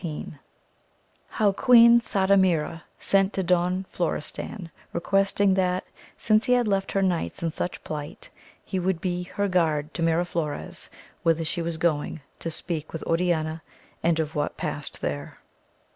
— How Queen Sardamira sent to Don Florestan requesting that, since he had left her knights in such plight, he would be her guard to Miraflores whither she was going to speak with Oriana, and of what passed there.